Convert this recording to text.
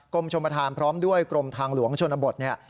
กรมชมประธานพร้อมด้วยกรมทางหลวงชนบทเนี่ย